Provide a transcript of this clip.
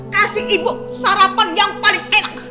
kasih ibu sarapan yang paling enak